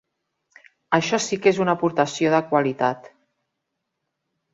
Això sí que és una aportació de qualitat.